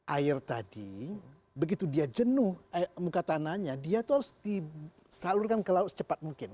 air tadi begitu dia jenuh muka tanahnya dia itu harus disalurkan ke laut secepat mungkin